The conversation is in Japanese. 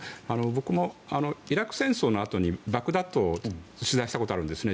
僕もイラク戦争のあとにバグダッドを取材したことがあるんですね。